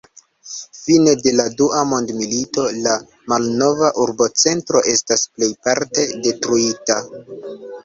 Fine de la Dua Mondmilito la malnova urbocentro estas plejparte detruita.